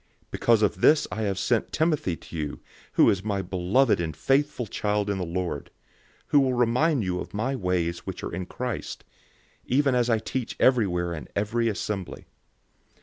004:017 Because of this I have sent Timothy to you, who is my beloved and faithful child in the Lord, who will remind you of my ways which are in Christ, even as I teach everywhere in every assembly.